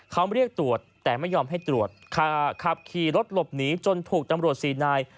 เขาเรียกตรวจแต่ไม่ยอมให้ตรวจขับขี่รถหลบหนีจนถูกตำรวจสี่นาย